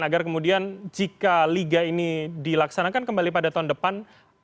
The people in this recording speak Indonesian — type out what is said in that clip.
agar kemudian jika liga ini dilaksanakan kembali pada tahun depan